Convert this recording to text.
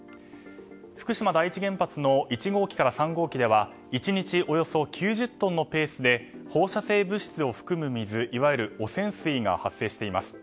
福島第一原発の１号機から３号機では１日およそ９０トンのペースで放射性物質を含む水、汚染水が発生しています。